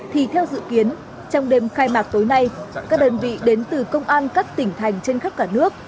thì theo dự kiến trong đêm khai mạc tối nay các đơn vị đến từ công an các tỉnh thành trên khắp cả nước